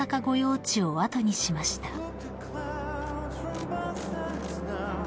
御用地を後にしました］